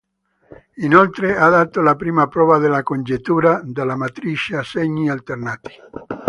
Inoltre ha dato la prima prova della congettura della matrice a segni alternati.